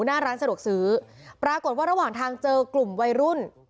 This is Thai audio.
หน้าร้านสะดวกซื้อปรากฏว่าระหว่างทางเจอกลุ่มวัยรุ่น